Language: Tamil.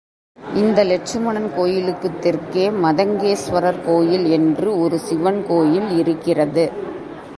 இந்த லட்சுமணன் கோயிலுக்குத் தெற்கே மதங்கேஸ்வரர் கோயில் என்று ஒரு சிவன் கோயில் இருக்கிறது.